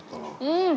うん！